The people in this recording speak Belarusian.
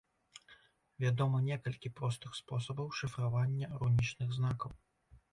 Вядома некалькі простых спосабаў шыфравання рунічных знакаў.